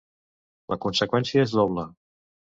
La conseqüència és doble.